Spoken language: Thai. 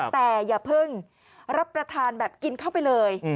แต่อย่าเพิ่งรับประทานแบบกินเข้าไปเลย